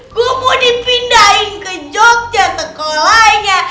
gue mau dipindahin ke jogja sekolahnya